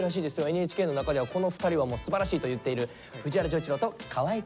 ＮＨＫの中ではこの２人はもうすばらしいと言っている藤原丈一郎と河合くんです。